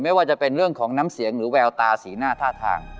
ไม่ว่าจะเป็นเรื่องของน้ำเสียงหรือแววตาสีหน้าท่าทาง